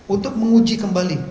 untuk menguji kembali